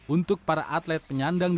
untuk para atlet penyandang